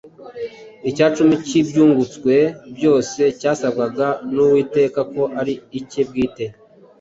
Icyacumi cy’ibyungutswe byose cyasabwaga n’Uwiteka ko ari icye bwite,